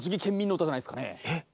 えっ？